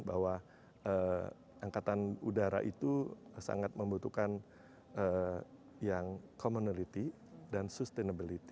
bahwa angkatan udara itu sangat membutuhkan yang community dan sustainability